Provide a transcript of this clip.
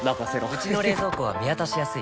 うちの冷蔵庫は見渡しやすい